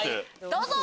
どうぞ！